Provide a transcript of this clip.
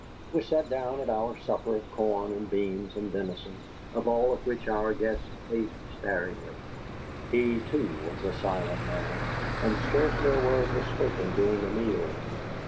We sat down to our supper of corn and beans and venison, of all of which our guest ate sparingly. He, too, was a silent man, and scarcely a word was spoken during the meal.